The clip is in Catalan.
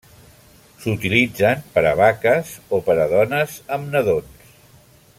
S'utilitzen per a vaques o per a dones amb nadons.